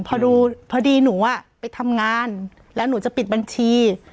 พอดีหนูไปทำงานแล้วหนูจะปิดบัญชี